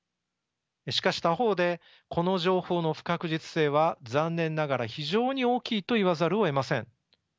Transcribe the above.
しかし他方でこの情報の不確実性は残念ながら非常に大きいと言わざるをえません。